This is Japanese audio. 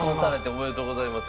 おめでとうございます。